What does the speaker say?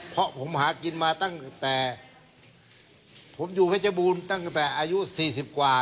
เพราะผมหากินมาตั้งแต่ผมอยู่เพชรบูรณ์ตั้งแต่อายุ๔๐กว่า